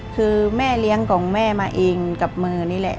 คือแม่เลี้ยงของแม่มาเองกับมือนี่แหละ